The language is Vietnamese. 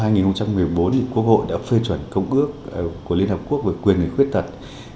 năm hai nghìn một mươi bốn quốc hội đã phê chuẩn công ước của liên hợp quốc về quyền người khuyết tật